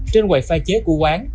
trên quầy phai chế của quán